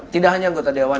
tidak hanya anggota dewan